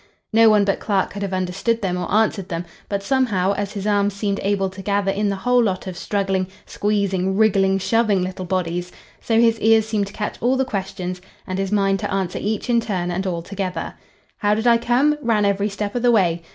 No one but Clark could have understood them or answered them, but somehow, as his arms seemed able to gather in the whole lot of struggling, squeezing, wriggling, shoving little bodies, so his ears seemed to catch all the questions and his mind to answer each in turn and all together. "'How did I come?'—Ran every step of the way.